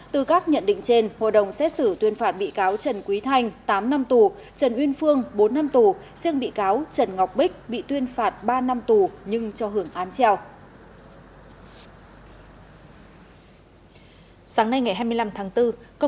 từ các nhận định trên hội đồng xét xử tuyên phạt bị cáo trần quý thanh tám năm tù trần uyên phương bốn năm tù xương bị cáo trần ngọc bích bị tuyên phạt ba năm tù nhưng cho hưởng án treo